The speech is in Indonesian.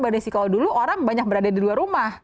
kalau dulu orang banyak berada di rumah